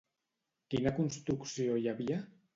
Quina construcció hi havia?